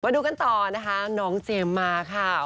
ดูกันต่อนะคะน้องเจมส์มาค่ะ